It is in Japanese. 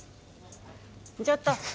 ちょっと！